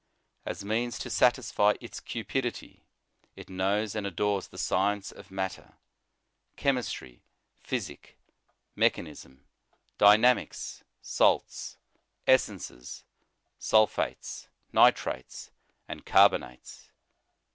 As means to satisfy its cupidity, it knows and adores the science of matter, chemistry, physic, mechanism, dynamics, salts, essences, sulphates, nitrates and carbonates.